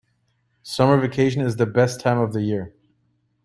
Summer vacation is the best time of the year!